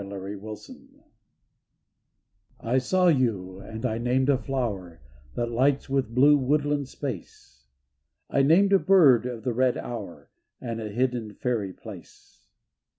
THE SYLPH I SAW you and I named a flower That lights with blue a woodland space, I named a bird of the red hour And a hidden fairy place.